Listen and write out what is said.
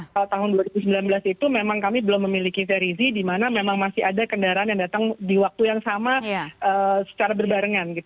kalau tahun dua ribu sembilan belas itu memang kami belum memiliki seri z di mana memang masih ada kendaraan yang datang di waktu yang sama secara berbarengan